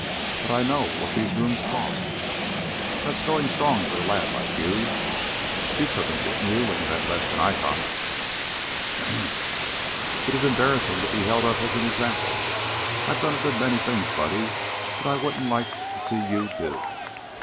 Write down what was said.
But I know what these rooms cost. That's going strong for a lad like you." "You took 'em, didn't you, when you had less 'n I got?" "Ahem! It is embarrassing to be held up as an example. I've done a good many things, Buddy, that I wouldn't like to see you do."